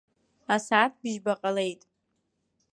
Асааҭ бжьба ҟалеит.